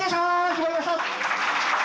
決まりました！